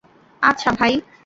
আচ্ছা, ভাই।